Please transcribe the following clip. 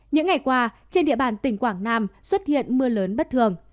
những ngày qua trên địa bàn tỉnh quảng nam xuất hiện mưa lớn bất thường